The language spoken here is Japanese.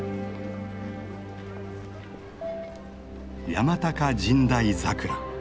山高神代桜。